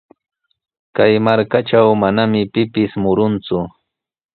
Kay markatraw manami pipis murunku.